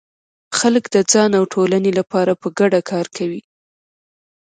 خلک د ځان او ټولنې لپاره په ګډه کار کوي.